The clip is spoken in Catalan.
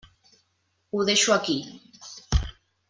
Ho deixo aquí.